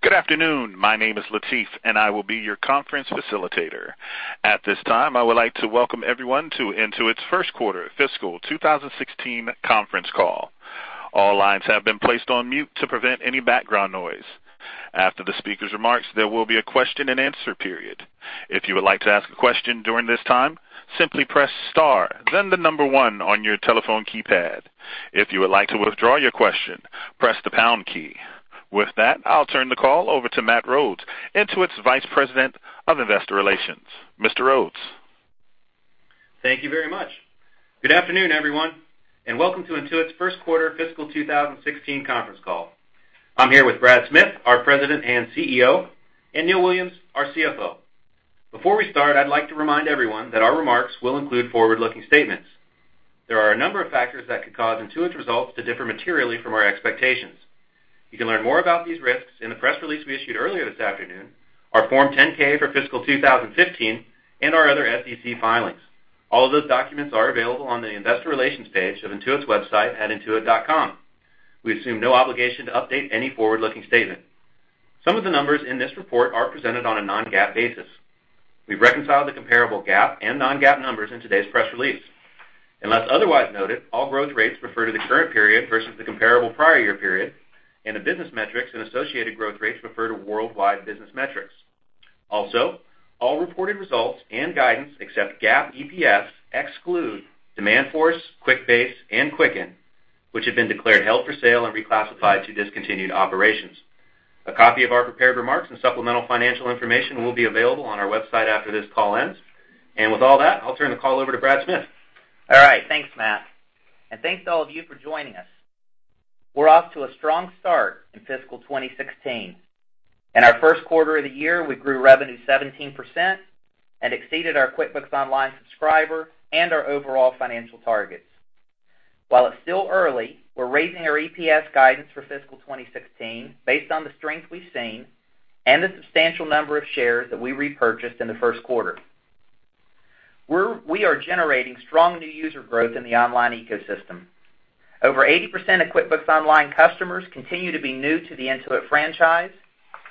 Good afternoon. My name is Latif, and I will be your conference facilitator. At this time, I would like to welcome everyone to Intuit's first quarter fiscal 2016 conference call. All lines have been placed on mute to prevent any background noise. After the speaker's remarks, there will be a question and answer period. If you would like to ask a question during this time, simply press star, then the number 1 on your telephone keypad. If you would like to withdraw your question, press the pound key. With that, I'll turn the call over to Matt Rhodes, Intuit's Vice President of Investor Relations. Mr. Rhodes. Thank you very much. Good afternoon, everyone, and welcome to Intuit's first quarter fiscal 2016 conference call. I'm here with Brad Smith, our President and CEO, and Neil Williams, our CFO. Before we start, I'd like to remind everyone that our remarks will include forward-looking statements. There are a number of factors that could cause Intuit results to differ materially from our expectations. You can learn more about these risks in the press release we issued earlier this afternoon, our Form 10-K for fiscal 2015, and our other SEC filings. All of those documents are available on the investor relations page of Intuit's website at intuit.com. We assume no obligation to update any forward-looking statement. Some of the numbers in this report are presented on a non-GAAP basis. We've reconciled the comparable GAAP and non-GAAP numbers in today's press release. Unless otherwise noted, all growth rates refer to the current period versus the comparable prior year period, and the business metrics and associated growth rates refer to worldwide business metrics. Also, all reported results and guidance, except GAAP EPS, exclude Demandforce, QuickBase and Quicken, which have been declared held for sale and reclassified to discontinued operations. A copy of our prepared remarks and supplemental financial information will be available on our website after this call ends. With all that, I'll turn the call over to Brad Smith. All right. Thanks, Matt, and thanks to all of you for joining us. We're off to a strong start in fiscal 2016. In our first quarter of the year, we grew revenue 17% and exceeded our QuickBooks Online subscriber and our overall financial targets. While it's still early, we're raising our EPS guidance for fiscal 2016 based on the strength we've seen and the substantial number of shares that we repurchased in the first quarter. We are generating strong new user growth in the online ecosystem. Over 80% of QuickBooks Online customers continue to be new to the Intuit franchise,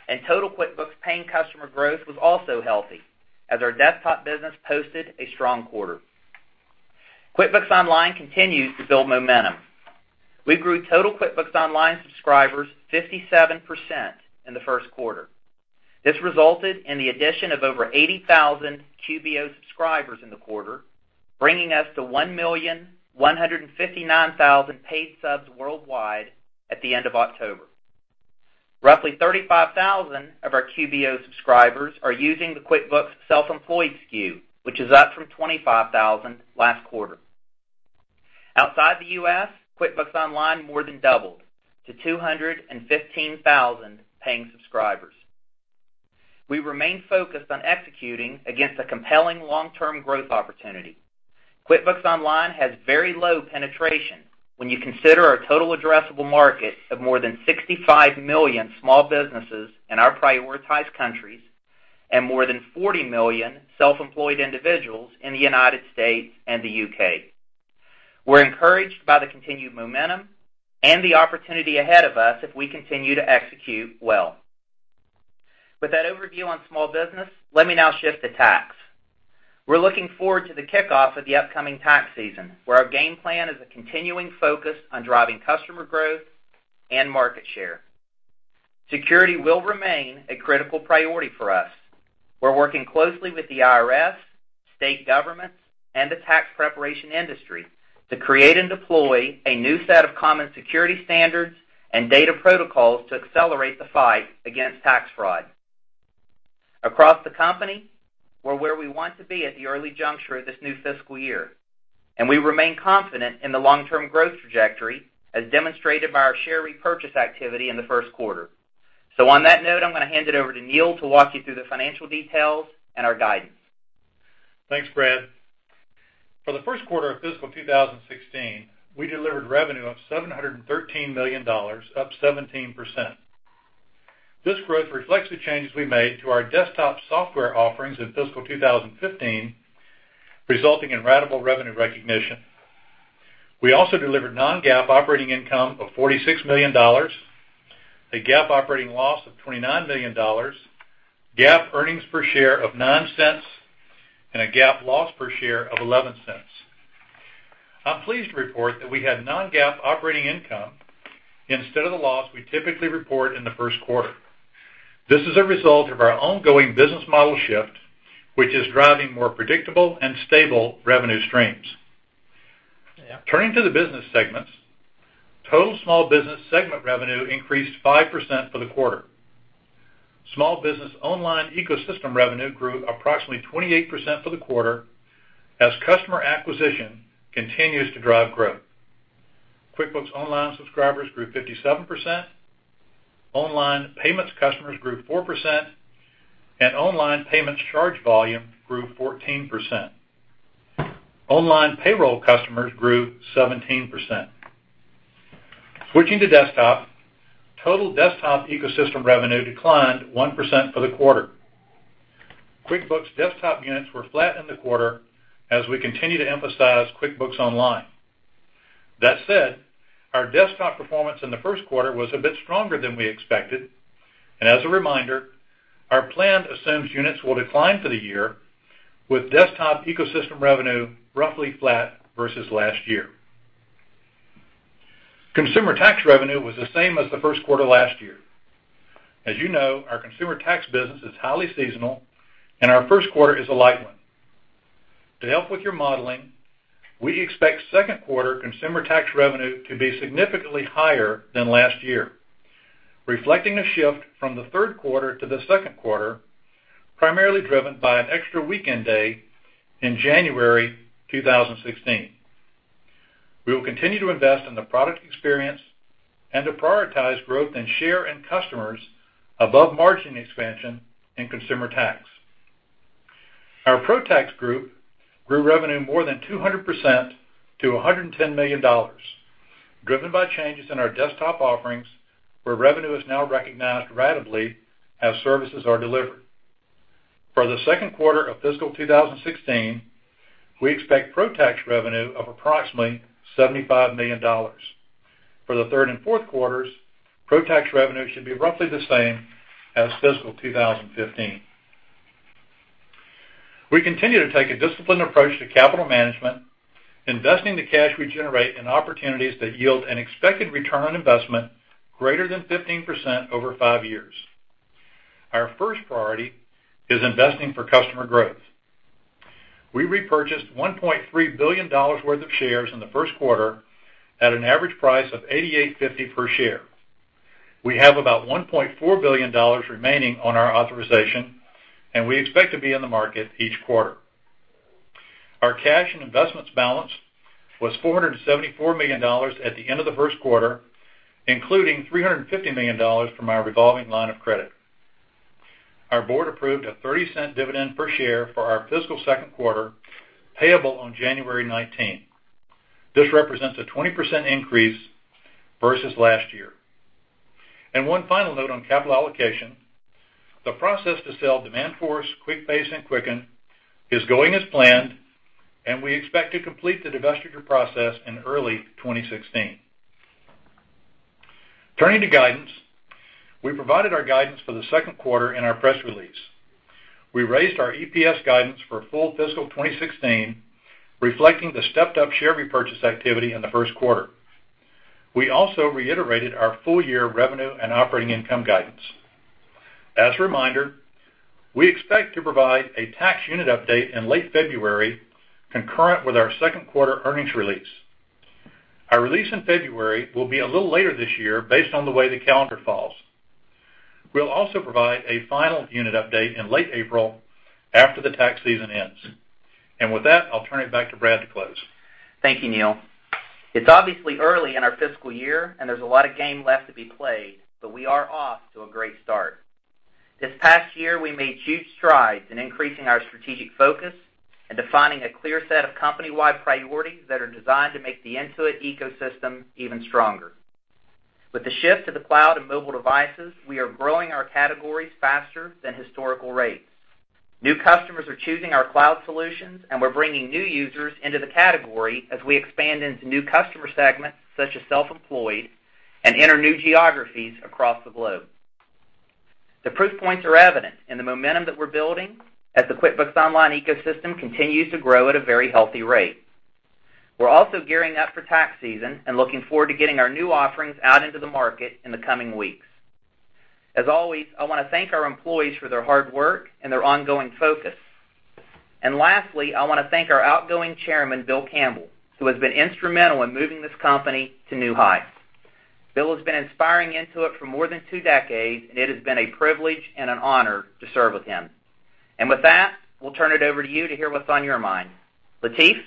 and total QuickBooks paying customer growth was also healthy as our desktop business posted a strong quarter. QuickBooks Online continues to build momentum. We grew total QuickBooks Online subscribers 57% in the first quarter. This resulted in the addition of over 80,000 QBO subscribers in the quarter, bringing us to 1,159,000 paid subs worldwide at the end of October. Roughly 35,000 of our QBO subscribers are using the QuickBooks Self-Employed SKU, which is up from 25,000 last quarter. Outside the U.S., QuickBooks Online more than doubled to 215,000 paying subscribers. We remain focused on executing against a compelling long-term growth opportunity. QuickBooks Online has very low penetration when you consider our total addressable market of more than 65 million small businesses in our prioritized countries and more than 40 million self-employed individuals in the United States and the U.K. We're encouraged by the continued momentum and the opportunity ahead of us if we continue to execute well. With that overview on small business, let me now shift to tax. We're looking forward to the kickoff of the upcoming tax season, where our game plan is a continuing focus on driving customer growth and market share. Security will remain a critical priority for us. We're working closely with the IRS, state governments, and the tax preparation industry to create and deploy a new set of common security standards and data protocols to accelerate the fight against tax fraud. Across the company, we're where we want to be at the early juncture of this new fiscal year, and we remain confident in the long-term growth trajectory, as demonstrated by our share repurchase activity in the first quarter. On that note, I'm going to hand it over to Neil to walk you through the financial details and our guidance. Thanks, Brad. For the first quarter of fiscal 2016, we delivered revenue of $713 million, up 17%. This growth reflects the changes we made to our desktop software offerings in fiscal 2015, resulting in ratable revenue recognition. We also delivered non-GAAP operating income of $46 million, a GAAP operating loss of $29 million, GAAP earnings per share of $0.09, and a GAAP loss per share of $0.11. I'm pleased to report that we had non-GAAP operating income instead of the loss we typically report in the first quarter. This is a result of our ongoing business model shift, which is driving more predictable and stable revenue streams. Turning to the business segments, total small business segment revenue increased 5% for the quarter. Small business online ecosystem revenue grew approximately 28% for the quarter as customer acquisition continues to drive growth. QuickBooks Online subscribers grew 57%, online payments customers grew 4%, and online payments charge volume grew 14%. Online payroll customers grew 17%. Switching to desktop, total desktop ecosystem revenue declined 1% for the quarter. QuickBooks Desktop units were flat in the quarter as we continue to emphasize QuickBooks Online. Our desktop performance in the first quarter was a bit stronger than we expected, and as a reminder, our plan assumes units will decline for the year, with desktop ecosystem revenue roughly flat versus last year. Consumer tax revenue was the same as the first quarter last year. As you know, our consumer tax business is highly seasonal, and our first quarter is a light one. To help with your modeling, we expect second quarter consumer tax revenue to be significantly higher than last year, reflecting a shift from the third quarter to the second quarter, primarily driven by an extra weekend day in January 2016. We will continue to invest in the product experience and to prioritize growth in share and customers above margin expansion in consumer tax. Our ProConnect group grew revenue more than 200% to $110 million, driven by changes in our desktop offerings, where revenue is now recognized ratably as services are delivered. For the second quarter of fiscal 2016, we expect ProConnect revenue of approximately $75 million. For the third and fourth quarters, ProConnect revenue should be roughly the same as fiscal 2015. We continue to take a disciplined approach to capital management, investing the cash we generate in opportunities that yield an expected return on investment greater than 15% over five years. Our first priority is investing for customer growth. We repurchased $1.3 billion worth of shares in the first quarter at an average price of $88.50 per share. We have about $1.4 billion remaining on our authorization, and we expect to be in the market each quarter. Our cash and investments balance was $474 million at the end of the first quarter, including $350 million from our revolving line of credit. Our board approved a $0.30 dividend per share for our fiscal second quarter, payable on January 19th. This represents a 20% increase versus last year. One final note on capital allocation. The process to sell Demandforce, QuickBase, and Quicken is going as planned, and we expect to complete the divestiture process in early 2016. Turning to guidance, we provided our guidance for the second quarter in our press release. We raised our EPS guidance for full fiscal 2016, reflecting the stepped-up share repurchase activity in the first quarter. We also reiterated our full-year revenue and operating income guidance. As a reminder, we expect to provide a tax unit update in late February, concurrent with our second quarter earnings release. Our release in February will be a little later this year based on the way the calendar falls. We'll also provide a final unit update in late April after the tax season ends. With that, I'll turn it back to Brad to close. Thank you, Neil. It's obviously early in our fiscal year, and there's a lot of game left to be played, but we are off to a great start. This past year, we made huge strides in increasing our strategic focus and defining a clear set of company-wide priorities that are designed to make the Intuit ecosystem even stronger. With the shift to the cloud and mobile devices, we are growing our categories faster than historical rates. New customers are choosing our cloud solutions, and we're bringing new users into the category as we expand into new customer segments, such as self-employed, and enter new geographies across the globe. The proof points are evident in the momentum that we're building as the QuickBooks Online ecosystem continues to grow at a very healthy rate. We're also gearing up for tax season and looking forward to getting our new offerings out into the market in the coming weeks. As always, I want to thank our employees for their hard work and their ongoing focus. Lastly, I want to thank our outgoing chairman, Bill Campbell, who has been instrumental in moving this company to new heights. Bill has been inspiring Intuit for more than 2 decades, and it has been a privilege and an honor to serve with him. With that, we'll turn it over to you to hear what's on your mind. Lateef?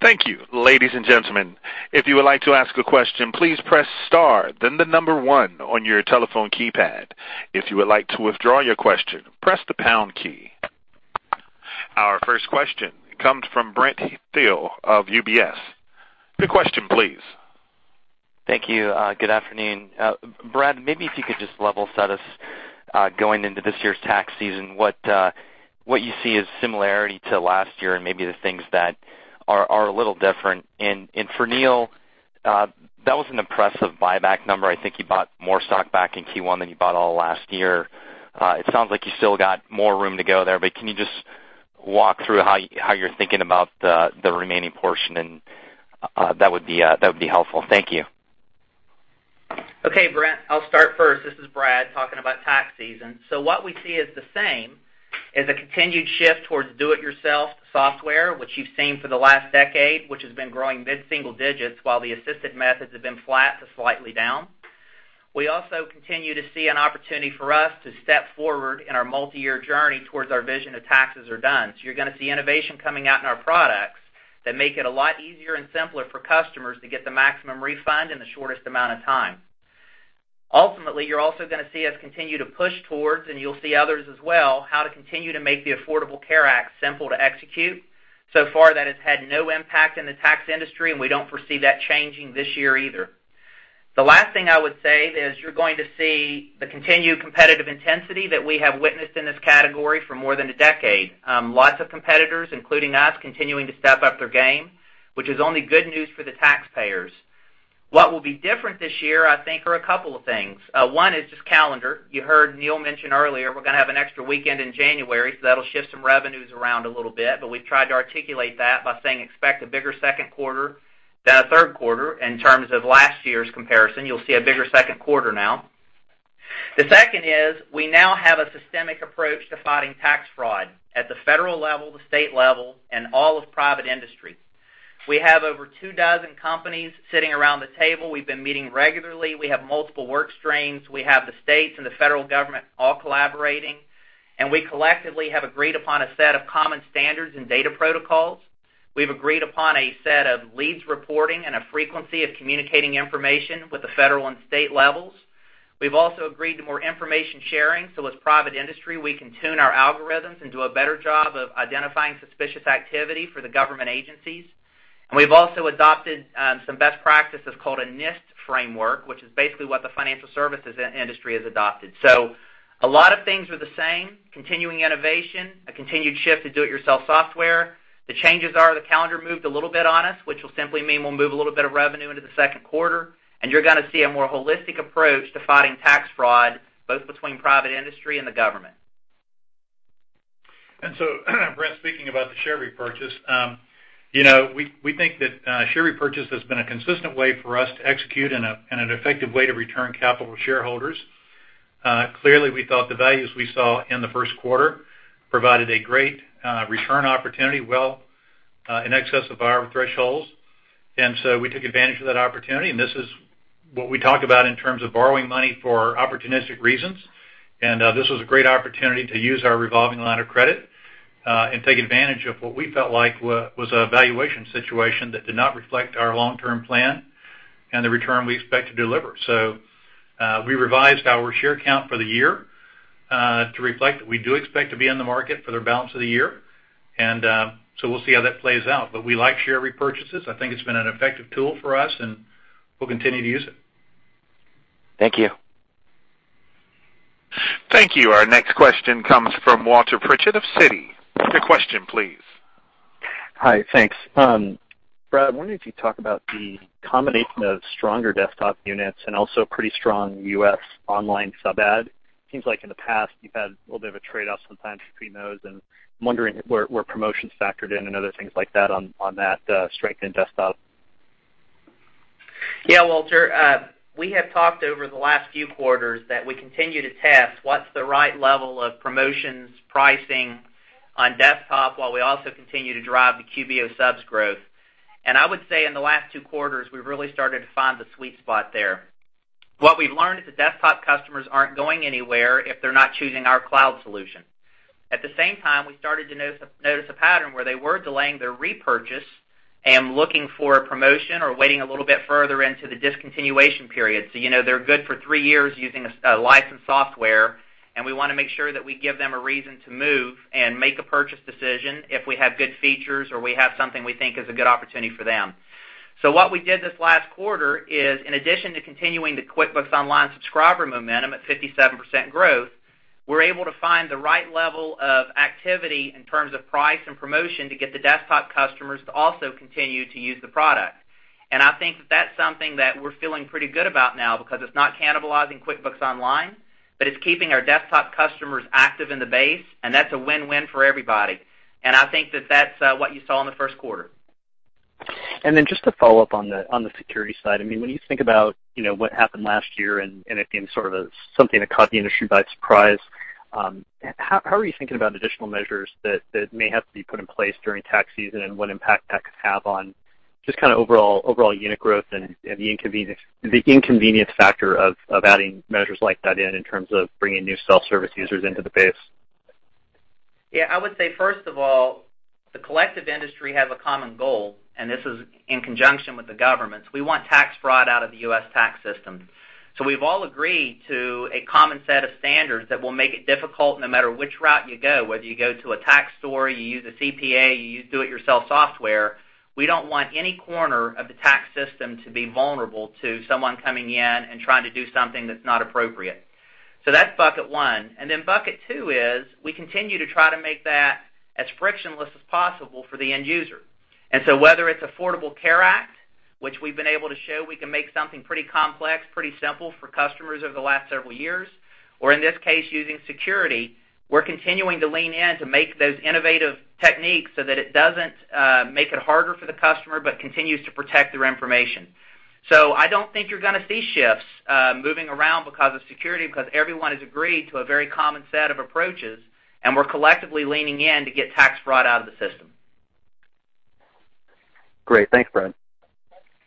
Thank you. Ladies and gentlemen, if you would like to ask a question, please press star, then the number one on your telephone keypad. If you would like to withdraw your question, press the pound key. Our first question comes from Brent Thill of UBS. The question, please. Thank you. Good afternoon. Brad, maybe if you could just level set us going into this year's tax season, what you see as similarity to last year and maybe the things that are a little different. For Neil, that was an impressive buyback number. I think you bought more stock back in Q1 than you bought all last year. It sounds like you still got more room to go there, but can you just walk through how you're thinking about the remaining portion, and that would be helpful. Thank you. Okay, Brent, I'll start first. This is Brad talking about tax season. What we see as the same is a continued shift towards do-it-yourself software, which you've seen for the last decade, which has been growing mid-single digits while the assisted methods have been flat to slightly down. We also continue to see an opportunity for us to step forward in our multi-year journey towards our vision of taxes are done. You're going to see innovation coming out in our products that make it a lot easier and simpler for customers to get the maximum refund in the shortest amount of time. Ultimately, you're also going to see us continue to push towards, and you'll see others as well, how to continue to make the Affordable Care Act simple to execute. Far, that has had no impact in the tax industry, and we don't foresee that changing this year either. The last thing I would say is you're going to see the continued competitive intensity that we have witnessed in this category for more than a decade. Lots of competitors, including us, continuing to step up their game, which is only good news for the taxpayers. What will be different this year, I think, are a couple of things. One is just calendar. You heard Neil mention earlier, we're going to have an extra weekend in January, that'll shift some revenues around a little bit. We've tried to articulate that by saying expect a bigger second quarter than a third quarter in terms of last year's comparison. You'll see a bigger second quarter now. The second is we now have a systemic approach to fighting tax fraud at the federal level, the state level, and all of private industry. We have over two dozen companies sitting around the table. We've been meeting regularly. We have multiple work streams. We have the states and the federal government all collaborating, we collectively have agreed upon a set of common standards and data protocols. We've agreed upon a set of leads reporting and a frequency of communicating information with the federal and state levels. We've also agreed to more information sharing, so as private industry, we can tune our algorithms and do a better job of identifying suspicious activity for the government agencies. We've also adopted some best practices called a NIST framework, which is basically what the financial services industry has adopted. A lot of things are the same, continuing innovation, a continued shift to do-it-yourself software. The changes are the calendar moved a little bit on us, which will simply mean we'll move a little bit of revenue into the second quarter, and you're going to see a more holistic approach to fighting tax fraud, both between private industry and the government. Brent, speaking about the share repurchase, we think that share repurchase has been a consistent way for us to execute and an effective way to return capital to shareholders. Clearly, we thought the values we saw in the first quarter provided a great return opportunity, well in excess of our thresholds. We took advantage of that opportunity, and this is what we talk about in terms of borrowing money for opportunistic reasons. This was a great opportunity to use our revolving line of credit and take advantage of what we felt like was a valuation situation that did not reflect our long-term plan and the return we expect to deliver. We revised our share count for the year, to reflect that we do expect to be in the market for the balance of the year. We'll see how that plays out. We like share repurchases. I think it's been an effective tool for us and we'll continue to use it. Thank you. Thank you. Our next question comes from Walter Pritchard of Citi. Your question, please. Hi. Thanks. Brad, I wonder if you talk about the combination of stronger desktop units and also pretty strong U.S. online sub-add. Seems like in the past, you've had a little bit of a trade-off sometimes between those. I'm wondering where promotions factored in and other things like that on that strength in desktop. Yeah, Walter, we have talked over the last few quarters that we continue to test what's the right level of promotions, pricing on desktop, while we also continue to drive the QBO subs growth. I would say in the last two quarters, we've really started to find the sweet spot there. What we've learned is the desktop customers aren't going anywhere if they're not choosing our cloud solution. At the same time, we started to notice a pattern where they were delaying their repurchase and looking for a promotion or waiting a little bit further into the discontinuation period. They're good for three years using a licensed software. We want to make sure that we give them a reason to move and make a purchase decision if we have good features or we have something we think is a good opportunity for them. What we did this last quarter is, in addition to continuing the QuickBooks Online subscriber momentum at 57% growth, we're able to find the right level of activity in terms of price and promotion to get the desktop customers to also continue to use the product. I think that's something that we're feeling pretty good about now because it's not cannibalizing QuickBooks Online, but it's keeping our desktop customers active in the base. That's a win-win for everybody. I think that that's what you saw in the first quarter. Just to follow up on the security side, when you think about what happened last year and it being sort of something that caught the industry by surprise, how are you thinking about additional measures that may have to be put in place during tax season and what impact that could have on just kind of overall unit growth and the inconvenience factor of adding measures like that in terms of bringing new self-service users into the base? I would say, first of all, the collective industry has a common goal. This is in conjunction with the government. We want tax fraud out of the U.S. tax system. We've all agreed to a common set of standards that will make it difficult, no matter which route you go, whether you go to a tax store, you use a CPA, you use do-it-yourself software. We don't want any corner of the tax system to be vulnerable to someone coming in and trying to do something that's not appropriate. That's bucket one. Bucket two is we continue to try to make that as frictionless as possible for the end user. Whether it's Affordable Care Act, which we've been able to show we can make something pretty complex, pretty simple for customers over the last several years, or in this case, using security, we're continuing to lean in to make those innovative techniques so that it doesn't make it harder for the customer, but continues to protect their information. I don't think you're going to see shifts moving around because of security, because everyone has agreed to a very common set of approaches, and we're collectively leaning in to get tax fraud out of the system. Great. Thanks, Brad.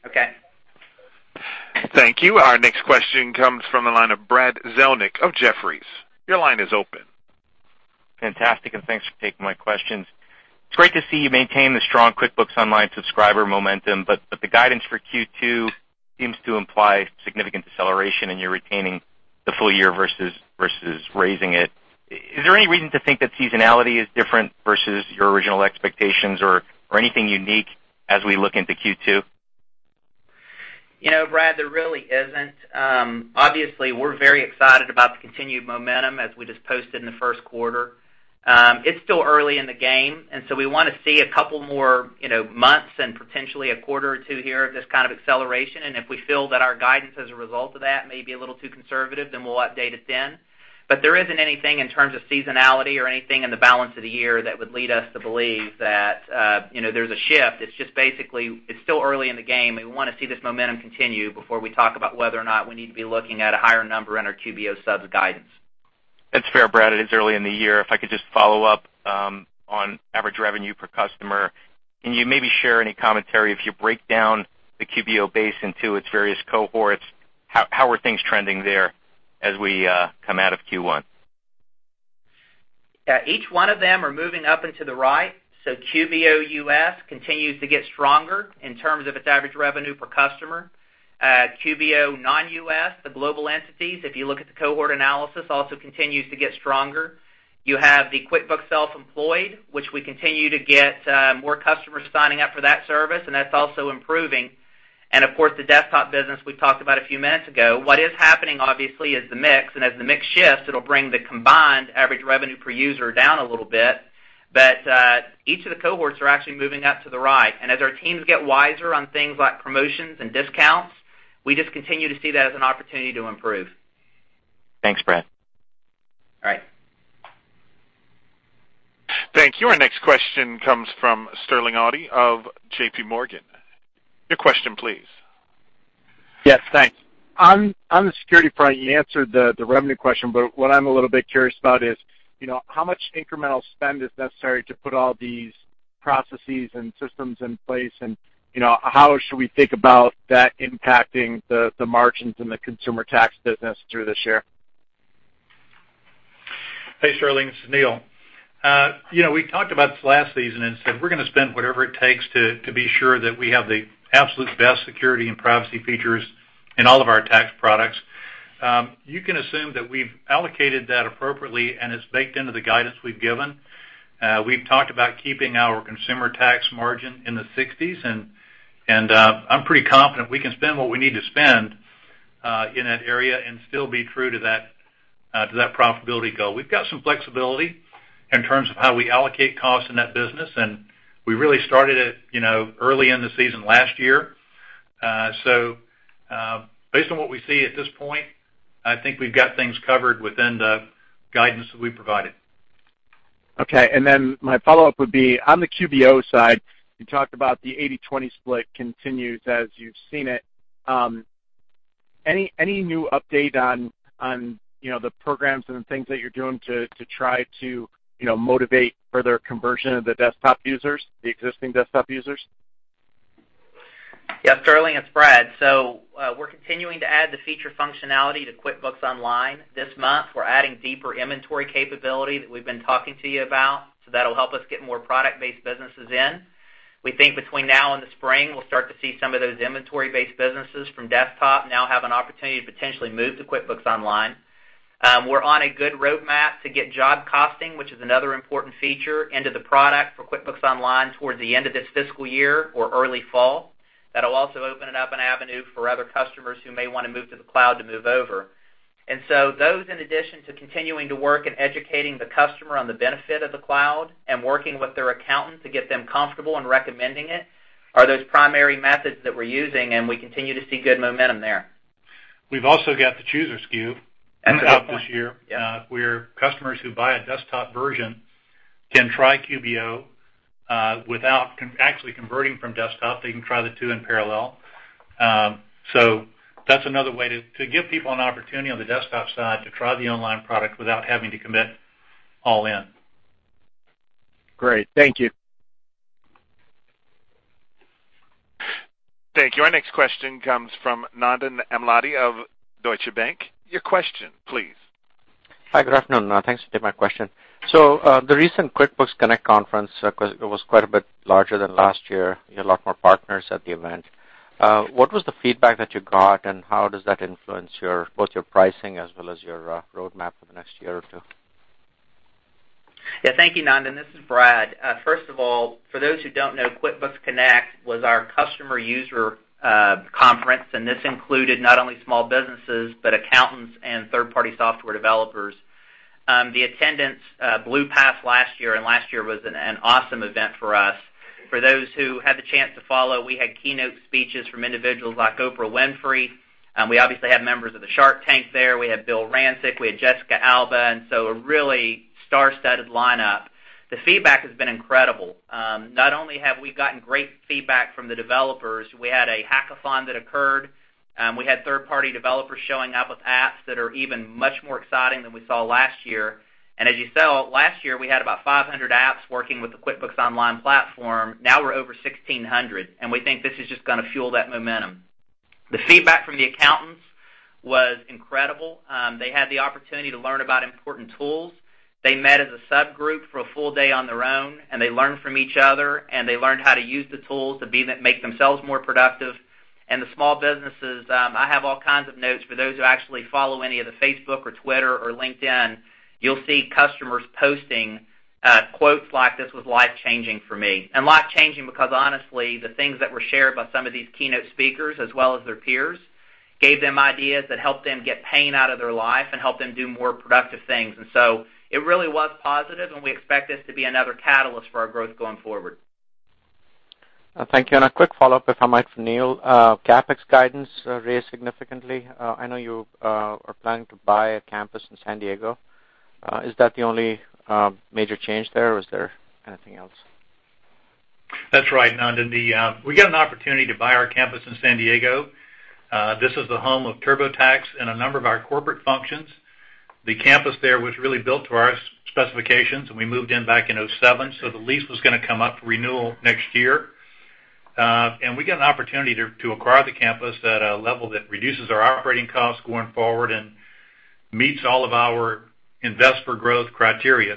Okay. Thank you. Our next question comes from the line of Brad Zelnick of Jefferies. Your line is open. Fantastic. Thanks for taking my questions. It's great to see you maintain the strong QuickBooks Online subscriber momentum, but the guidance for Q2 seems to imply significant deceleration in your retaining the full year versus raising it. Is there any reason to think that seasonality is different versus your original expectations or anything unique as we look into Q2? Brad, there really isn't. Obviously, we're very excited about the continued momentum as we just posted in the first quarter. It's still early in the game. We want to see a couple more months and potentially a quarter or two here of this kind of acceleration. If we feel that our guidance as a result of that may be a little too conservative, then we'll update it then. There isn't anything in terms of seasonality or anything in the balance of the year that would lead us to believe that there's a shift. It's just basically, it's still early in the game. We want to see this momentum continue before we talk about whether or not we need to be looking at a higher number in our QBO subs guidance. That's fair, Brad. It is early in the year. If I could just follow up on average revenue per customer. Can you maybe share any commentary, if you break down the QBO base into its various cohorts, how are things trending there as we come out of Q1? Each one of them are moving up into the right. QBO U.S. continues to get stronger in terms of its average revenue per customer. QBO non-U.S., the global entities, if you look at the cohort analysis, also continues to get stronger. You have the QuickBooks Self-Employed, which we continue to get more customers signing up for that service. That's also improving. Of course, the desktop business we talked about a few minutes ago. What is happening, obviously, is the mix. As the mix shifts, it'll bring the combined average revenue per user down a little bit. Each of the cohorts are actually moving up to the right. As our teams get wiser on things like promotions and discounts, we just continue to see that as an opportunity to improve. Thanks, Brad. All right. Thank you. Our next question comes from Sterling Auty of JP Morgan. Your question, please. Yes, thanks. On the security front, you answered the revenue question, but what I'm a little bit curious about is, how much incremental spend is necessary to put all these processes and systems in place, and how should we think about that impacting the margins in the consumer tax business through this year? Sterling, this is Neil. We talked about this last season and said we're going to spend whatever it takes to be sure that we have the absolute best security and privacy features in all of our tax products. You can assume that we've allocated that appropriately, and it's baked into the guidance we've given. We've talked about keeping our consumer tax margin in the 60s, and I'm pretty confident we can spend what we need to spend in that area and still be true to that profitability goal. We've got some flexibility in terms of how we allocate costs in that business, and we really started it early in the season last year. Based on what we see at this point, I think we've got things covered within the guidance that we provided. Okay. My follow-up would be on the QBO side, you talked about the 80/20 split continues as you've seen it. Any new update on the programs and the things that you're doing to try to motivate further conversion of the desktop users, the existing desktop users? Yeah, Sterling, it's Brad. We're continuing to add the feature functionality to QuickBooks Online. This month, we're adding deeper inventory capability that we've been talking to you about. That'll help us get more product-based businesses in. We think between now and the spring, we'll start to see some of those inventory-based businesses from desktop now have an opportunity to potentially move to QuickBooks Online. We're on a good roadmap to get job costing, which is another important feature into the product for QuickBooks Online toward the end of this fiscal year or early fall. That'll also open it up an avenue for other customers who may want to move to the cloud to move over. Those, in addition to continuing to work in educating the customer on the benefit of the cloud and working with their accountant to get them comfortable in recommending it, are those primary methods that we're using, and we continue to see good momentum there. We've also got the chooser SKU. That's a good point. out this year, where customers who buy a desktop version can try QBO, without actually converting from desktop. They can try the two in parallel. That's another way to give people an opportunity on the desktop side to try the online product without having to commit all in. Great. Thank you. Thank you. Our next question comes from Nandan Amladi of Deutsche Bank. Your question, please. Hi, good afternoon. Thanks for taking my question. The recent QuickBooks Connect conference was quite a bit larger than last year. You had a lot more partners at the event. What was the feedback that you got, and how does that influence both your pricing as well as your roadmap for the next year or two? Thank you, Nandan. This is Brad. First of all, for those who don't know, QuickBooks Connect was our customer user conference, this included not only small businesses, but accountants and third-party software developers. The attendance blew past last year, last year was an awesome event for us. For those who had the chance to follow, we had keynote speeches from individuals like Oprah Winfrey. We obviously had members of the Shark Tank there. We had Bill Rancic, we had Jessica Alba, a really star-studded lineup. The feedback has been incredible. Not only have we gotten great feedback from the developers, we had a hackathon that occurred. We had third-party developers showing up with apps that are even much more exciting than we saw last year. As you saw, last year, we had about 500 apps working with the QuickBooks Online platform. Now we're over 1,600, we think this is just going to fuel that momentum. The feedback from the accountants was incredible. They had the opportunity to learn about important tools. They met as a subgroup for a full day on their own, they learned from each other, they learned how to use the tools to make themselves more productive. The small businesses, I have all kinds of notes for those who actually follow any of the Facebook or Twitter or LinkedIn, you'll see customers posting quotes like, "This was life-changing for me." Life-changing because honestly, the things that were shared by some of these keynote speakers, as well as their peers, gave them ideas that helped them get pain out of their life and helped them do more productive things. It really was positive, and we expect this to be another catalyst for our growth going forward. Thank you. A quick follow-up, if I might, for Neil. CapEx guidance raised significantly. I know you are planning to buy a campus in San Diego. Is that the only major change there, or is there anything else? That's right, Nandan. We got an opportunity to buy our campus in San Diego. This is the home of TurboTax and a number of our corporate functions. The campus there was really built to our specifications, and we moved in back in 2007, so the lease was going to come up for renewal next year. We get an opportunity to acquire the campus at a level that reduces our operating costs going forward and meets all of our invest for growth criteria.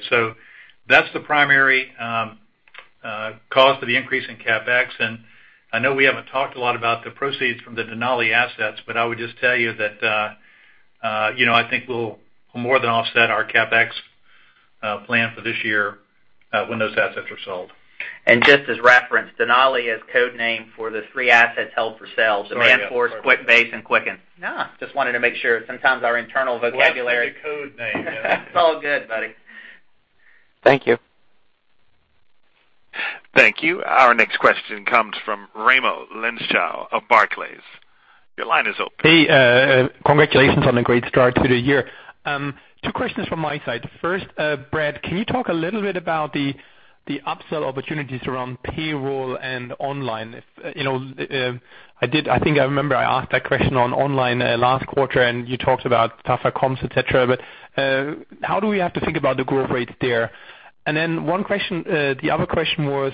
That's the primary cause for the increase in CapEx, and I know we haven't talked a lot about the proceeds from the Denali assets, but I would just tell you that I think we'll more than offset our CapEx plan for this year when those assets are sold. Just as reference, Denali is code name for the three assets held for sale. Sorry, yeah the Demandforce, QuickBase, and Quicken. Yeah. Just wanted to make sure. Sometimes our internal vocabulary. Well, it's like a code name, yeah. It's all good, buddy. Thank you. Thank you. Our next question comes from Raimo Lenschner of Barclays. Your line is open. Hey, congratulations on a great start to the year. Two questions from my side. First, Brad, can you talk a little bit about the upsell opportunities around payroll and QuickBooks Online? I think I remember I asked that question on QuickBooks Online last quarter, and you talked about tougher comps, et cetera, but how do we have to think about the growth rate there? The other question was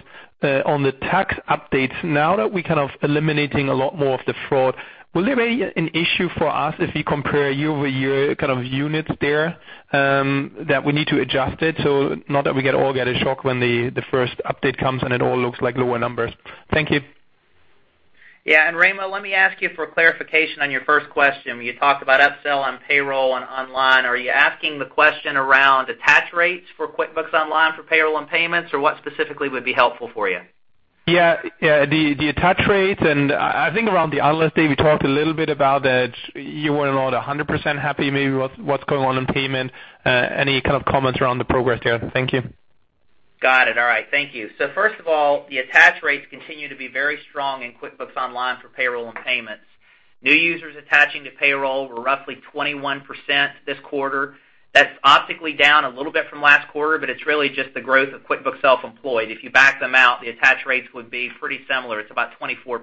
on the tax updates. Now that we're kind of eliminating a lot more of the fraud, will there be an issue for us if we compare year-over-year kind of units there that we need to adjust it, so not that we all get a shock when the first update comes, and it all looks like lower numbers? Thank you. Yeah. Raimo, let me ask you for clarification on your first question. When you talked about upsell on payroll and online, are you asking the question around attach rates for QuickBooks Online for payroll and payments, or what specifically would be helpful for you? Yeah. The attach rate, I think around the analyst day, we talked a little bit about that you were not 100% happy maybe with what's going on in payment. Any kind of comments around the progress there? Thank you. Got it. All right. Thank you. First of all, the attach rates continue to be very strong in QuickBooks Online for payroll and payments. New users attaching to payroll were roughly 21% this quarter. That's optically down a little bit from last quarter, but it's really just the growth of QuickBooks Self-Employed. If you back them out, the attach rates would be pretty similar. It's about 24%.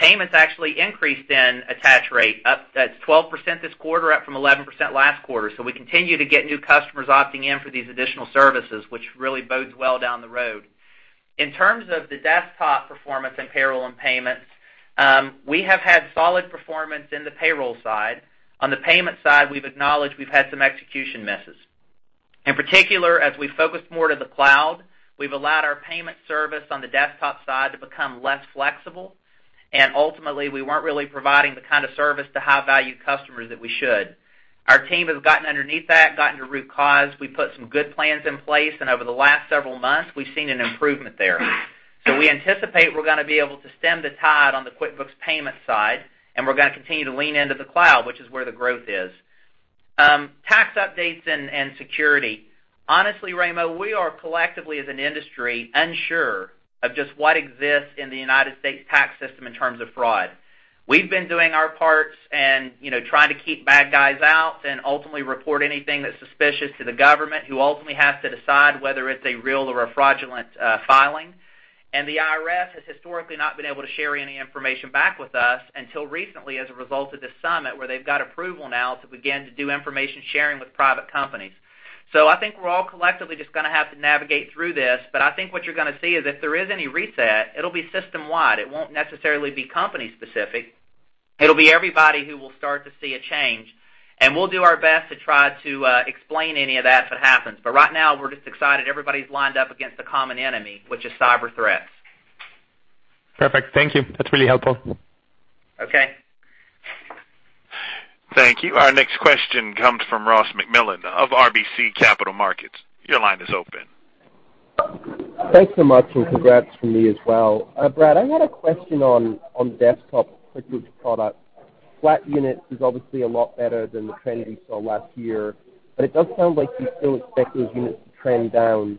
Payments actually increased in attach rate. That's 12% this quarter, up from 11% last quarter. We continue to get new customers opting in for these additional services, which really bodes well down the road. In terms of the desktop performance in payroll and payments, we have had solid performance in the payroll side. On the payment side, we've acknowledged we've had some execution misses. In particular, as we focus more to the cloud, we've allowed our payment service on the desktop side to become less flexible, ultimately, we weren't really providing the kind of service to high-value customers that we should. Our team has gotten underneath that, gotten to root cause. We put some good plans in place, over the last several months, we've seen an improvement there. We anticipate we're going to be able to stem the tide on the QuickBooks payment side, we're going to continue to lean into the cloud, which is where the growth is. Tax updates and security. Honestly, Raimo, we are collectively, as an industry, unsure of just what exists in the United States tax system in terms of fraud. The IRS has historically not been able to share any information back with us until recently as a result of this summit, where they've got approval now to begin to do information sharing with private companies. I think we're all collectively just going to have to navigate through this, but I think what you're going to see is if there is any reset, it'll be system-wide. It won't necessarily be company-specific. It'll be everybody who will start to see a change, and we'll do our best to try to explain any of that if it happens. Right now, we're just excited everybody's lined up against a common enemy, which is cyber threats. Perfect. Thank you. That's really helpful. Okay. Thank you. Our next question comes from Ross MacMillan of RBC Capital Markets. Your line is open. Thanks so much, and congrats from me as well. Brad, I had a question on the desktop QuickBooks product. Flat units is obviously a lot better than the trend we saw last year, but it does sound like you still expect those units to trend down.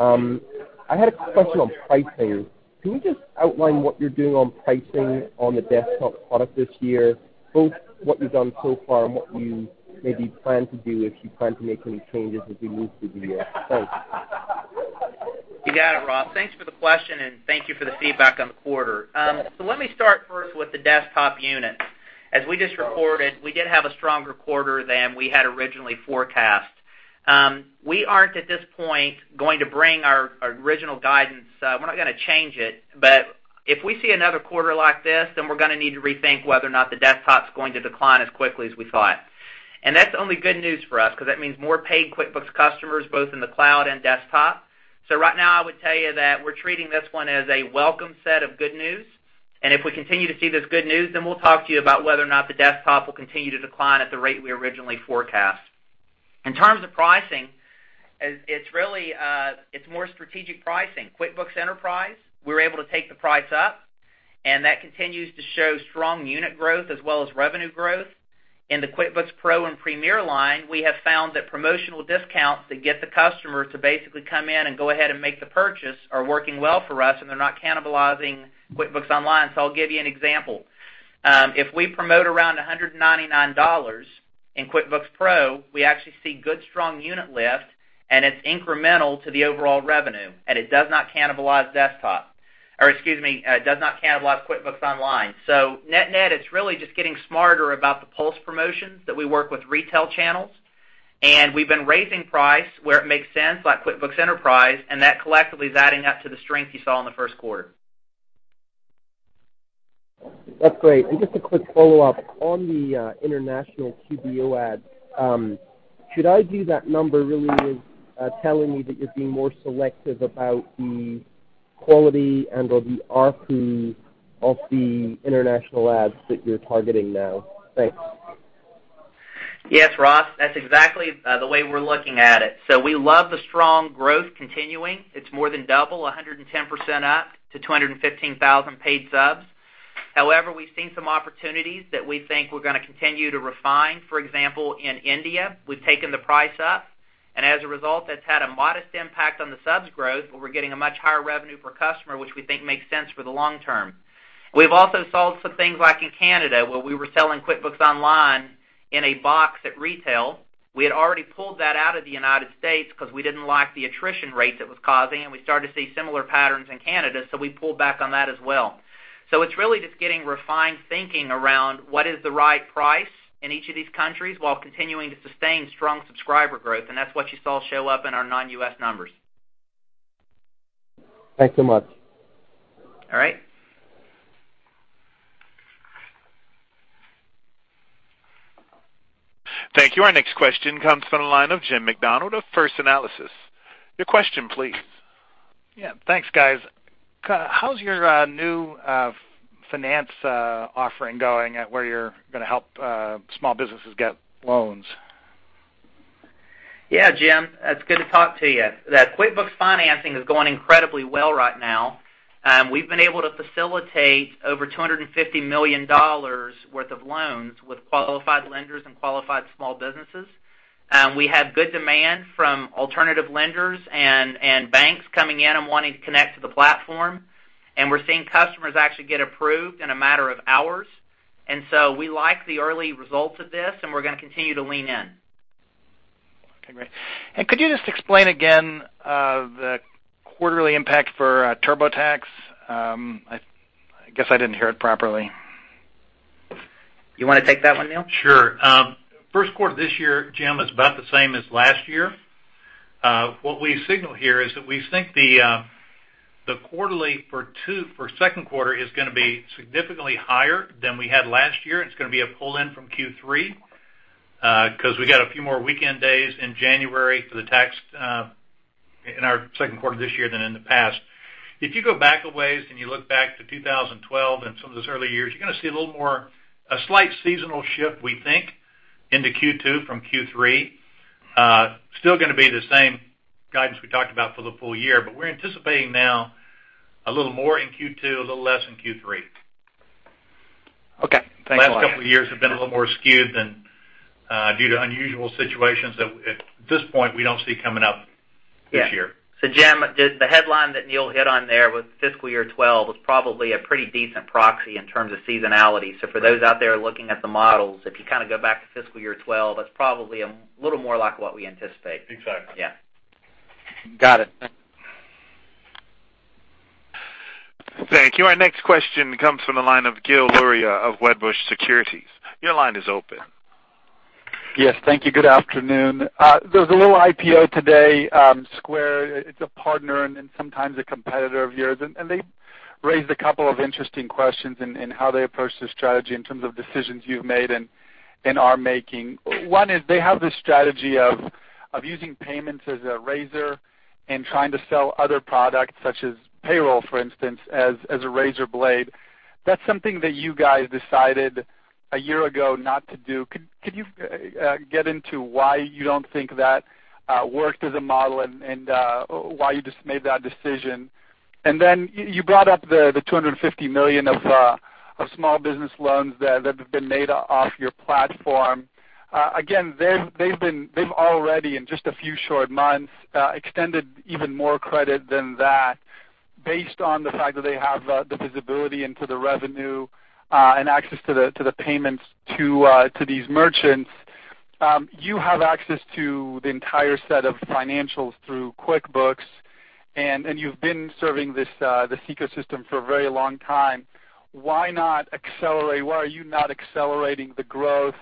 I had a question on pricing. Can we just outline what you're doing on pricing on the desktop product this year, both what you've done so far and what you maybe plan to do if you plan to make any changes as we move through the year? Thanks. You got it, Ross. Thanks for the question, and thank you for the feedback on the quarter. Let me start first with the desktop units. As we just reported, we did have a stronger quarter than we had originally forecast. We aren't, at this point, going to bring our original guidance. We're not going to change it, but if we see another quarter like this, then we're going to need to rethink whether or not the desktop's going to decline as quickly as we thought. That's only good news for us, because that means more paid QuickBooks customers, both in the cloud and desktop. Right now, I would tell you that we're treating this one as a welcome set of good news. If we continue to see this good news, we'll talk to you about whether or not the desktop will continue to decline at the rate we originally forecast. In terms of pricing, it's more strategic pricing. QuickBooks Enterprise, we were able to take the price up, that continues to show strong unit growth as well as revenue growth. In the QuickBooks Pro and Premier line, we have found that promotional discounts that get the customer to basically come in and go ahead and make the purchase are working well for us, they're not cannibalizing QuickBooks Online. I'll give you an example. If we promote around $199 in QuickBooks Pro, we actually see good strong unit lift, it's incremental to the overall revenue, it does not cannibalize desktop. Or excuse me, does not cannibalize QuickBooks Online. Net-net, it's really just getting smarter about the pulse promotions that we work with retail channels. We've been raising price where it makes sense, like QuickBooks Enterprise, that collectively is adding up to the strength you saw in the first quarter. That's great. Just a quick follow-up. On the international QBO ads, should I view that number really as telling me that you're being more selective about the quality and/or the ARPU of the international ads that you're targeting now? Thanks. Yes, Ross, that's exactly the way we're looking at it. We love the strong growth continuing. It's more than double, 110% up to 215,000 paid subs. However, we've seen some opportunities that we think we're going to continue to refine. For example, in India, we've taken the price up, as a result, that's had a modest impact on the subs growth, but we're getting a much higher revenue per customer, which we think makes sense for the long term. We've also solved some things like in Canada, where we were selling QuickBooks Online in a box at retail. We had already pulled that out of the United States because we didn't like the attrition rate that was causing, we started to see similar patterns in Canada, we pulled back on that as well. It's really just getting refined thinking around what is the right price in each of these countries while continuing to sustain strong subscriber growth, that's what you saw show up in our non-U.S. numbers. Thanks so much. All right. Thank you. Our next question comes from the line of Jim Macdonald of First Analysis. Your question, please. Yeah. Thanks, guys. How's your new finance offering going at where you're going to help small businesses get loans? Yeah, Jim, it's good to talk to you. The QuickBooks financing is going incredibly well right now. We've been able to facilitate over $250 million worth of loans with qualified lenders and qualified small businesses. We have good demand from alternative lenders and banks coming in and wanting to connect to the platform. We're seeing customers actually get approved in a matter of hours. So we like the early results of this, and we're going to continue to lean in. Okay, great. Could you just explain again, the quarterly impact for TurboTax? I guess I didn't hear it properly. You want to take that one, Neil? Sure. First quarter this year, Jim, is about the same as last year. What we signal here is that we think the quarterly for second quarter is going to be significantly higher than we had last year. It's going to be a pull-in from Q3, because we got a few more weekend days in January for the tax in our second quarter this year than in the past. If you go back a ways and you look back to 2012 and some of those early years, you're going to see a little more, a slight seasonal shift, we think, into Q2 from Q3. Still going to be the same guidance we talked about for the full year, but we're anticipating now a little more in Q2, a little less in Q3. Okay. Thanks a lot. Last couple of years have been a little more skewed due to unusual situations that at this point, we don't see coming up this year. Yeah. Jim, the headline that Neil hit on there with fiscal year 2012 was probably a pretty decent proxy in terms of seasonality. For those out there looking at the models, if you go back to fiscal year 2012, that's probably a little more like what we anticipate. Exactly. Yeah. Got it. Thanks. Thank you. Our next question comes from the line of Gil Luria of Wedbush Securities. Your line is open. Yes, thank you. Good afternoon. There was a little IPO today, Square. It's a partner and sometimes a competitor of yours. They raised a couple of interesting questions in how they approach the strategy in terms of decisions you've made and are making. One is they have this strategy of using payments as a razor and trying to sell other products, such as payroll, for instance, as a razor blade. That's something that you guys decided a year ago not to do. Could you get into why you don't think that worked as a model, and why you just made that decision? Then you brought up the $250 million of small business loans that have been made off your platform. They've already, in just a few short months, extended even more credit than that based on the fact that they have the visibility into the revenue and access to the payments to these merchants. You have access to the entire set of financials through QuickBooks, and you've been serving this ecosystem for a very long time. Why are you not accelerating the growth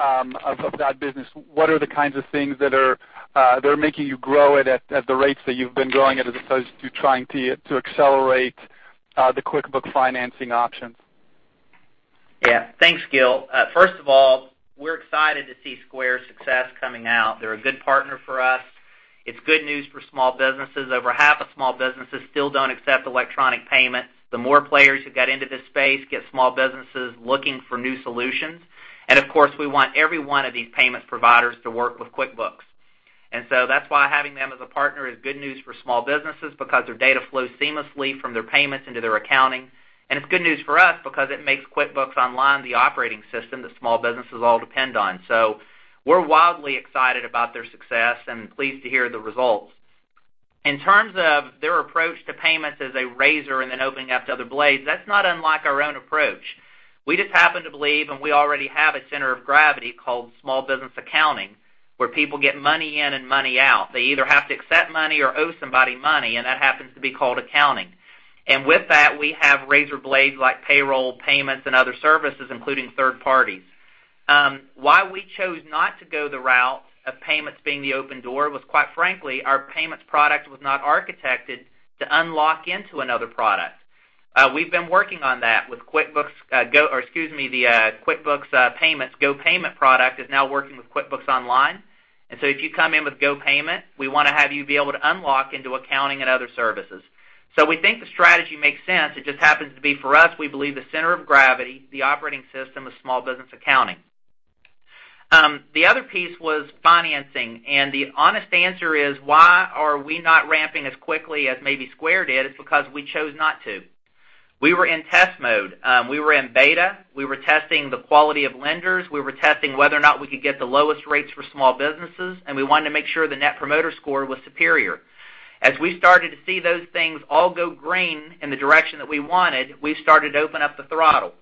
of that business? What are the kinds of things that are making you grow it at the rates that you've been growing it as opposed to trying to accelerate the QuickBooks financing options? Yeah. Thanks, Gil. First of all, we're excited to see Square's success coming out. They're a good partner for us. It's good news for small businesses. Over half of small businesses still don't accept electronic payment. The more players who get into this space get small businesses looking for new solutions, and of course, we want every one of these payment providers to work with QuickBooks. That's why having them as a partner is good news for small businesses because their data flows seamlessly from their payments into their accounting. It's good news for us because it makes QuickBooks Online the operating system that small businesses all depend on. We're wildly excited about their success and pleased to hear the results. In terms of their approach to payments as a razor and then opening up to other blades, that's not unlike our own approach. We just happen to believe, we already have a center of gravity called small business accounting, where people get money in and money out. They either have to accept money or owe somebody money, and that happens to be called accounting. With that, we have razorblades like payroll, payments, and other services, including third parties. Why we chose not to go the route of payments being the open door was, quite frankly, our payments product was not architected to unlock into another product. We've been working on that with the QuickBooks Payments GoPayment product is now working with QuickBooks Online. If you come in with GoPayment, we want to have you be able to unlock into accounting and other services. We think the strategy makes sense. It just happens to be for us, we believe the center of gravity, the operating system of small business accounting. The other piece was financing, the honest answer is, why are we not ramping as quickly as maybe Square did? It's because we chose not to. We were in test mode. We were in beta. We were testing the quality of lenders. We were testing whether or not we could get the lowest rates for small businesses, and we wanted to make sure the Net Promoter Score was superior. As we started to see those things all go green in the direction that we wanted, we started to open up the throttle.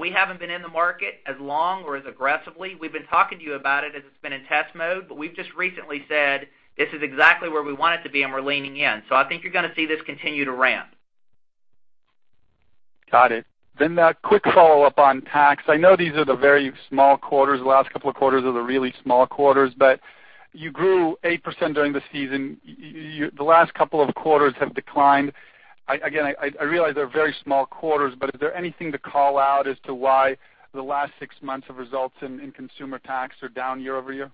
We haven't been in the market as long or as aggressively. We've been talking to you about it as it's been in test mode. We've just recently said this is exactly where we want it to be and we're leaning in. I think you're going to see this continue to ramp. Got it. A quick follow-up on tax. I know these are the very small quarters, the last couple of quarters are the really small quarters. You grew 8% during the season. The last couple of quarters have declined. Again, I realize they're very small quarters, is there anything to call out as to why the last six months of results in consumer tax are down year-over-year?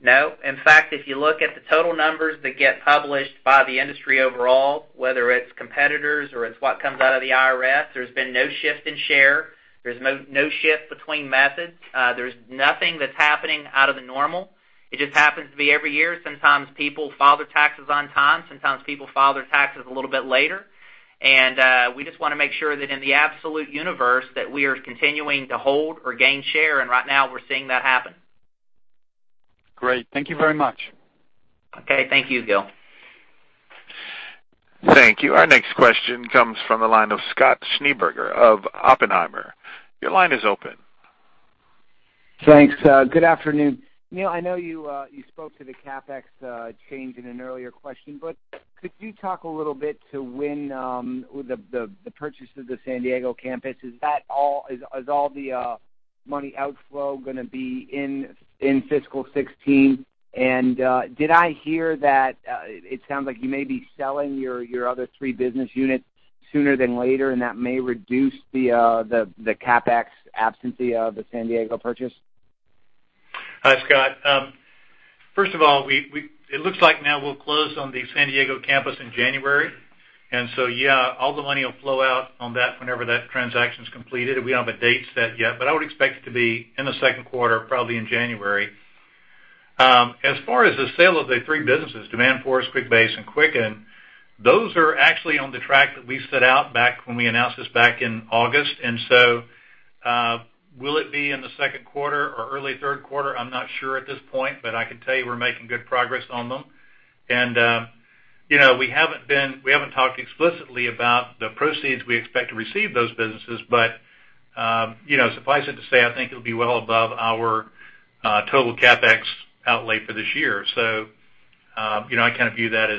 No. In fact, if you look at the total numbers that get published by the industry overall, whether it's competitors or it's what comes out of the IRS, there's been no shift in share. There's no shift between methods. There's nothing that's happening out of the normal. It just happens to be every year, sometimes people file their taxes on time, sometimes people file their taxes a little bit later. We just want to make sure that in the absolute universe, that we are continuing to hold or gain share, and right now we're seeing that happen. Great. Thank you very much. Okay. Thank you, Gil. Thank you. Our next question comes from the line of Scott Schneeberger of Oppenheimer. Your line is open. Thanks. Good afternoon. Neil, I know you spoke to the CapEx change in an earlier question, but could you talk a little bit to when the purchase of the San Diego campus, is all the money outflow going to be in fiscal 2016? Did I hear that it sounds like you may be selling your other three business units sooner than later, and that may reduce the CapEx absent the San Diego purchase? Hi, Scott. First of all, it looks like now we'll close on the San Diego campus in January. So yeah, all the money will flow out on that whenever that transaction is completed. We don't have a date set yet, but I would expect it to be in the second quarter, probably in January. As far as the sale of the three businesses, Demandforce, QuickBase, and Quicken, those are actually on the track that we set out back when we announced this back in August, so will it be in the second quarter or early third quarter? I'm not sure at this point, but I can tell you we're making good progress on them. We haven't talked explicitly about the proceeds we expect to receive those businesses, but suffice it to say, I think it'll be well above our total CapEx outlay for this year. I kind of view that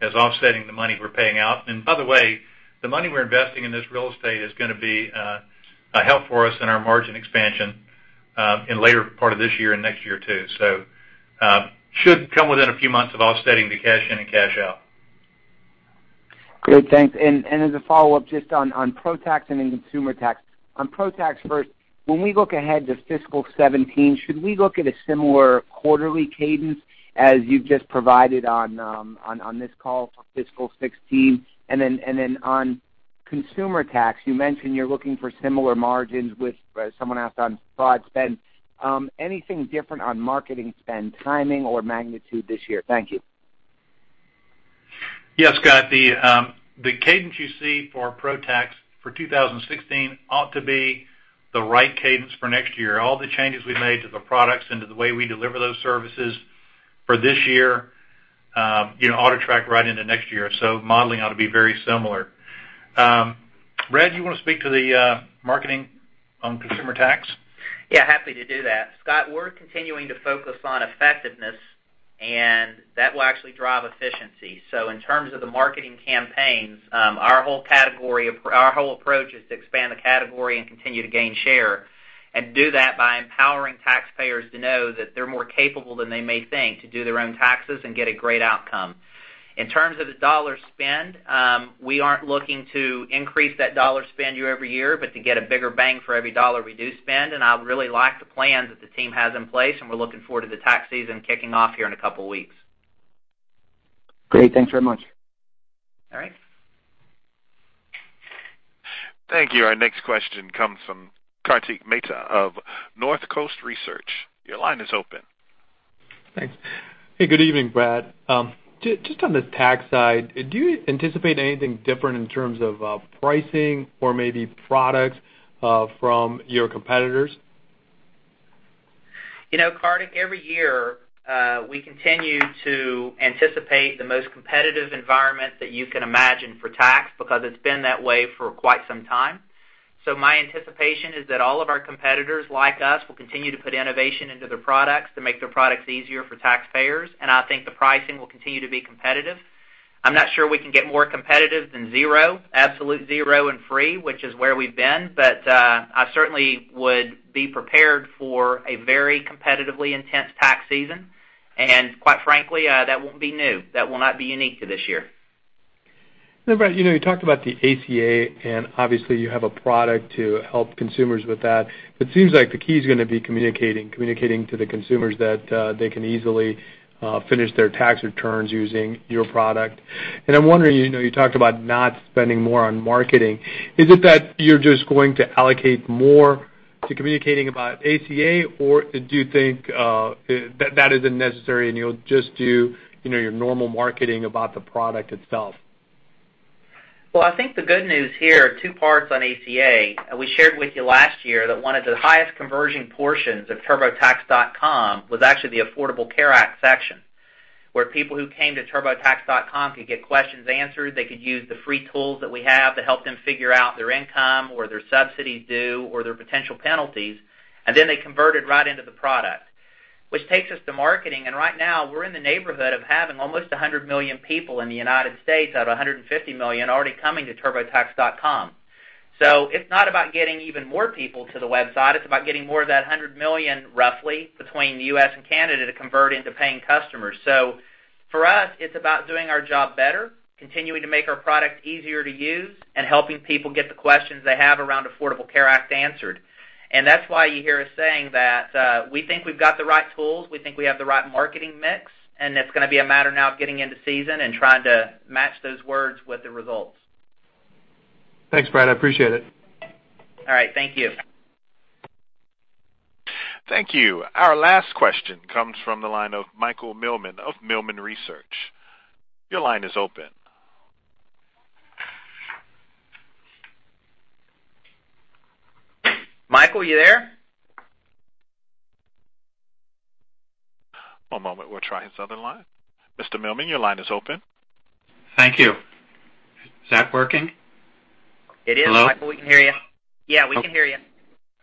as offsetting the money we're paying out. By the way, the money we're investing in this real estate is going to be a help for us in our margin expansion in later part of this year and next year, too. Should come within a few months of offsetting the cash in and cash out. Great, thanks. As a follow-up, just on Pro tax and in consumer tax. On Pro tax first, when we look ahead to fiscal 2017, should we look at a similar quarterly cadence as you've just provided on this call for fiscal 2016? Then on consumer tax, you mentioned you're looking for similar margins with someone else on fraud spend. Anything different on marketing spend, timing, or magnitude this year? Thank you. Scott, the cadence you see for Pro tax for 2016 ought to be the right cadence for next year. All the changes we've made to the products and to the way we deliver those services for this year ought to track right into next year. Modeling ought to be very similar. Brad, you want to speak to the marketing on consumer tax? Happy to do that. Scott, we're continuing to focus on effectiveness, that will actually drive efficiency. In terms of the marketing campaigns, our whole approach is to expand the category and continue to gain share. Do that by empowering taxpayers to know that they're more capable than they may think to do their own taxes and get a great outcome. In terms of the dollar spend, we aren't looking to increase that dollar spend year every year, but to get a bigger bang for every dollar we do spend, and I really like the plans that the team has in place, and we're looking forward to the tax season kicking off here in a couple of weeks. Great. Thanks very much. All right. Thank you. Our next question comes from Kartik Mehta of North Coast Research. Your line is open. Thanks. Hey, good evening, Brad. Just on the tax side, do you anticipate anything different in terms of pricing or maybe products from your competitors? Kartik, every year, we continue to anticipate the most competitive environment that you can imagine for tax because it's been that way for quite some time. My anticipation is that all of our competitors, like us, will continue to put innovation into their products to make their products easier for taxpayers, and I think the pricing will continue to be competitive. I'm not sure we can get more competitive than zero, absolute zero and free, which is where we've been. I certainly would be prepared for a very competitively intense tax season, and quite frankly, that won't be new. That will not be unique to this year. Brad, you talked about the ACA, and obviously, you have a product to help consumers with that. It seems like the key is going to be communicating to the consumers that they can easily finish their tax returns using your product. I'm wondering, you talked about not spending more on marketing. Is it that you're just going to allocate more to communicating about ACA, or do you think that isn't necessary, and you'll just do your normal marketing about the product itself? Well, I think the good news here are two parts on ACA. We shared with you last year that one of the highest conversion portions of turbotax.com was actually the Affordable Care Act section, where people who came to turbotax.com could get questions answered. They could use the free tools that we have to help them figure out their income or their subsidies due or their potential penalties. Then they converted right into the product. Which takes us to marketing, and right now, we're in the neighborhood of having almost 100 million people in the U.S. out of 150 million already coming to turbotax.com. It's not about getting even more people to the website. It's about getting more of that 100 million, roughly, between the U.S. and Canada, to convert into paying customers. For us, it's about doing our job better, continuing to make our product easier to use, and helping people get the questions they have around Affordable Care Act answered. That's why you hear us saying that we think we've got the right tools, we think we have the right marketing mix, and it's going to be a matter now of getting into season and trying to match those words with the results. Thanks, Brad. I appreciate it. All right. Thank you. Thank you. Our last question comes from the line of Michael Millman of Millman Research. Your line is open. Michael, you there? One moment. We'll try his other line. Mr. Millman, your line is open. Thank you. Is that working? It is, Michael. Hello? We can hear you. Yeah, we can hear you.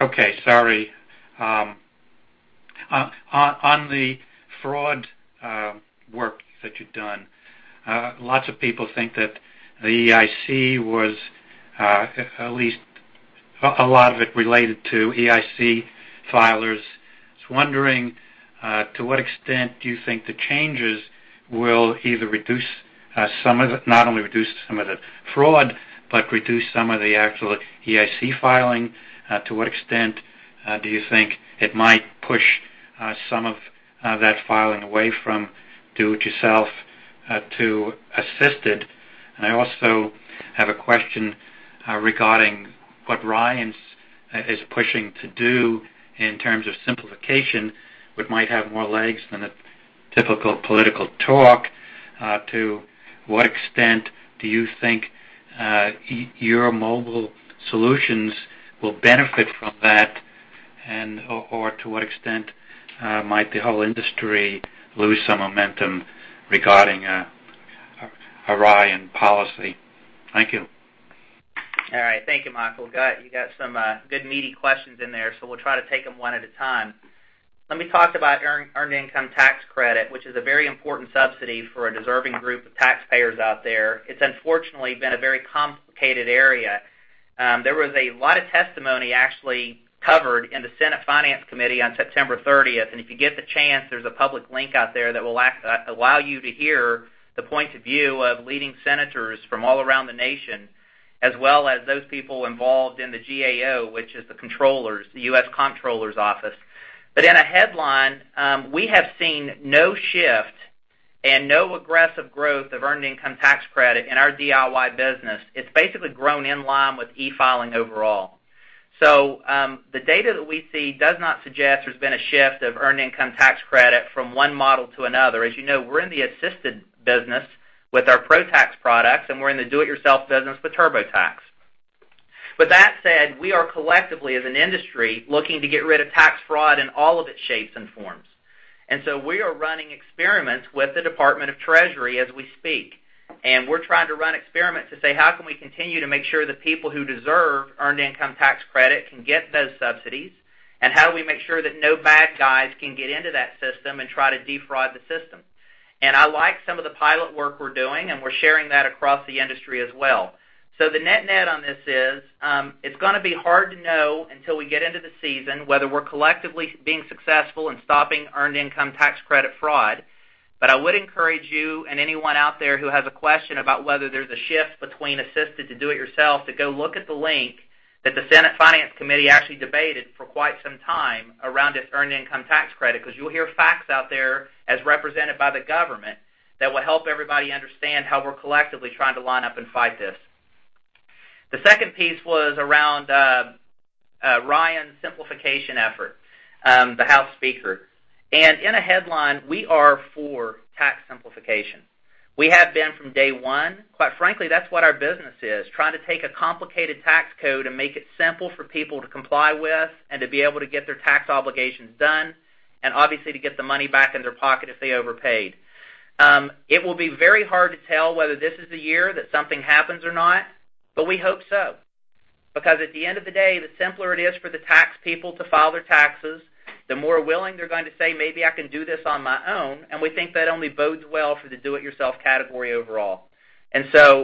Okay. Sorry. On the fraud work that you've done, lots of people think that the EIC was, at least a lot of it related to EIC filers. I was wondering, to what extent do you think the changes will not only reduce some of the fraud, but reduce some of the actual EIC filing? To what extent do you think it might push some of that filing away from do-it-yourself to assisted? I also have a question regarding what Ryan is pushing to do in terms of simplification, which might have more legs than a typical political talk. To what extent do you think your mobile solutions will benefit from that? Or to what extent might the whole industry lose some momentum regarding a Ryan policy? Thank you. All right. Thank you, Michael. You got some good meaty questions in there, so we'll try to take them one at a time. Let me talk about Earned Income Tax Credit, which is a very important subsidy for a deserving group of taxpayers out there. It's unfortunately been a very complicated area. There was a lot of testimony actually covered in the Senate Finance Committee on September 30th. If you get the chance, there's a public link out there that will allow you to hear the points of view of leading senators from all around the nation, as well as those people involved in the GAO, which is the U.S. Comptroller's Office. In a headline, we have seen no shift and no aggressive growth of Earned Income Tax Credit in our DIY business. It's basically grown in line with e-filing overall. The data that we see does not suggest there's been a shift of Earned Income Tax Credit from one model to another. As you know, we're in the assisted business with our ProConnect products, and we're in the do-it-yourself business with TurboTax. With that said, we are collectively, as an industry, looking to get rid of tax fraud in all of its shapes and forms. We are running experiments with the Department of the Treasury as we speak, and we're trying to run experiments to say, "How can we continue to make sure the people who deserve Earned Income Tax Credit can get those subsidies, and how do we make sure that no bad guys can get into that system and try to defraud the system?" I like some of the pilot work we're doing, and we're sharing that across the industry as well. The net-net on this is, it's going to be hard to know until we get into the season whether we're collectively being successful in stopping Earned Income Tax Credit fraud. I would encourage you and anyone out there who has a question about whether there's a shift between assisted to do-it-yourself, to go look at the link that the Senate Finance Committee actually debated for quite some time around this Earned Income Tax Credit, because you'll hear facts out there as represented by the government that will help everybody understand how we're collectively trying to line up and fight this. The second piece was around Ryan's simplification effort, the House Speaker. In a headline, we are for tax simplification. We have been from day one. Quite frankly, that's what our business is, trying to take a complicated tax code and make it simple for people to comply with and to be able to get their tax obligations done, and obviously, to get the money back in their pocket if they overpaid. It will be very hard to tell whether this is the year that something happens or not, but we hope so, because at the end of the day, the simpler it is for the tax people to file their taxes, the more willing they're going to say, "Maybe I can do this on my own," and we think that only bodes well for the do-it-yourself category overall.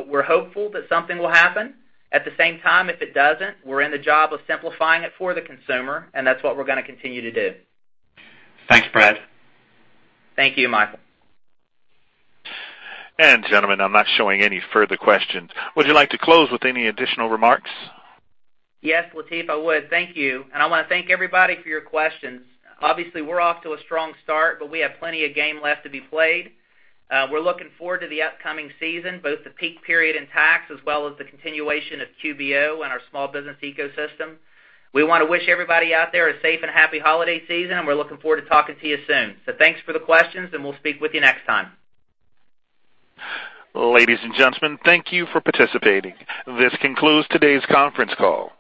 We're hopeful that something will happen. At the same time, if it doesn't, we're in the job of simplifying it for the consumer, and that's what we're going to continue to do. Thanks, Brad. Thank you, Michael. Gentlemen, I'm not showing any further questions. Would you like to close with any additional remarks? Yes, Latif, I would. Thank you. I want to thank everybody for your questions. Obviously, we're off to a strong start, but we have plenty of game left to be played. We're looking forward to the upcoming season, both the peak period in tax as well as the continuation of QBO and our small business ecosystem. We want to wish everybody out there a safe and happy holiday season, and we're looking forward to talking to you soon. Thanks for the questions, and we'll speak with you next time. Ladies and gentlemen, thank you for participating. This concludes today's conference call.